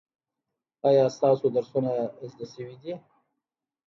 ایا ستاسو درسونه زده شوي دي؟